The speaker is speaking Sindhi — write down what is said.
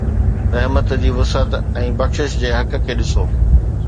رحمت جي وسعت ۽ بخشش جي حق کي ڏسو